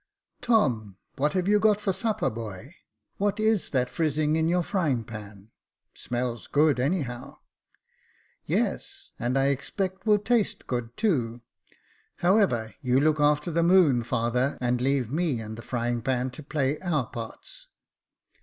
•' Tom, what have you got for supper, boy ? What is that frizzing in your frying pan ? Smells good, anyhow." Yes, and I expect will taste good too. However, you look after the moon, father, and leave me and the frying pan to play our parts."